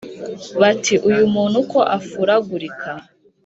bati : uyu muntu ko afuragurika